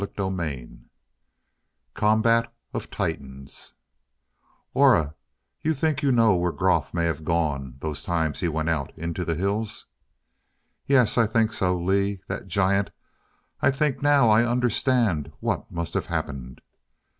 CHAPTER V Combat of Titans "Aura, you think you know where Groff may have gone those times he went out into the hills?" "Yes. I think so. Lee that giant, I think now I understand what must have happened."